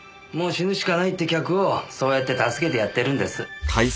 もう死ぬしかないって客をそうやって助けてやってるんです。